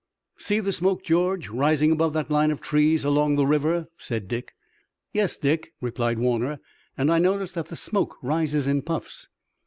"See the smoke, George, rising above that line of trees along the river?" said Dick. "Yes, Dick," replied Warner, "and I notice that the smoke rises in puffs."